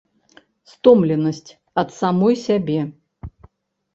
Стомленасць ад самой сябе.